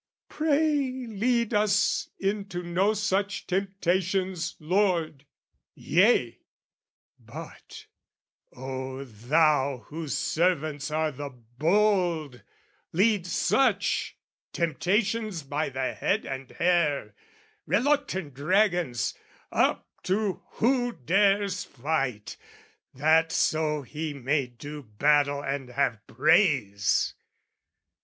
Pray "Lead us into no such temptations, Lord!" Yea, but, O Thou whose servants are the bold, Lead such temptations by the head and hair, Reluctant dragons, up to who dares fight, That so he may do battle and have praise!